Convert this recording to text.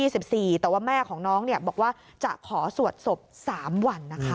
แต่ว่าแม่ของน้องบอกว่าจะขอสวดศพ๓วันนะคะ